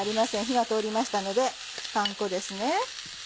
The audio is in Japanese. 火が通りましたのでパン粉ですね。